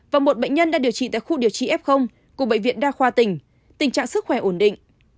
và một bệnh nhân đang điều trị tại khu điều trị f của bệnh viện đa khoa tỉnh tình trạng sức khỏe ổn định